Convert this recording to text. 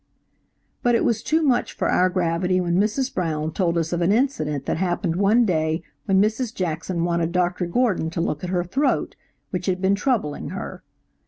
But it was too much for our gravity when Mrs. Brown told us of an incident that happened one day when Mrs. Jackson wanted Dr. Gordon to look at her throat which had been troubling her.